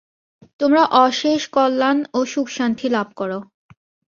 তোমরা অশেষ কল্যাণ ও সুখশান্তি লাভ কর।